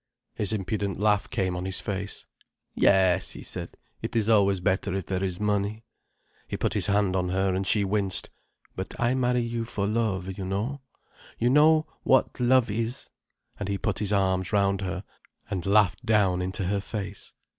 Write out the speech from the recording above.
His impudent laugh came on his face. "Yes," he said, "it is always better if there is money." He put his hand on her, and she winced. "But I marry you for love, you know. You know what love is—" And he put his arms round her, and laughed down into her face.